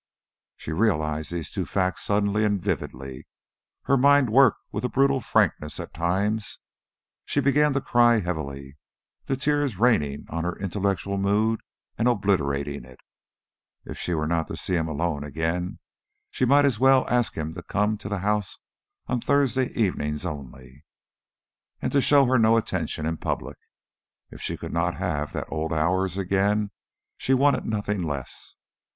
She realized these two facts suddenly and vividly; her mind worked with a brutal frankness at times. She began to cry heavily, the tears raining on her intellectual mood and obliterating it. If she were not to see him alone again, she might as well ask him to come to the house on Thursday evenings only, and to show her no attention in public; if she could not have the old hours again, she wanted nothing less.